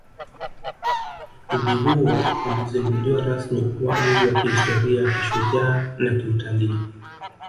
Mji huo ulizinduliwa rasmi kuwa mji wa kihistoria kishujaa na kiutalii